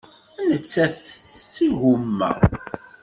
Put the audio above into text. Nettat tettett igumma.